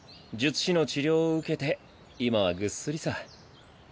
術師の治療を受けて今はぐっすりさ。